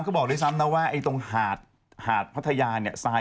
ก็หวังว่าเรื่องนี้จะต้องผ่านไปนะครับ